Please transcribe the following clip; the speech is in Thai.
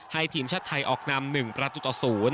ทีมชาติไทยออกนำ๑ประตูต่อ๐